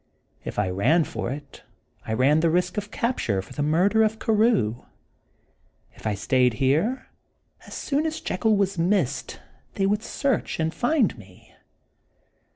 If I ran for it, I ran the risk of capture for the murder of Carew. If I stayed here, as soon as Jekyll was missed, they would search, and find me.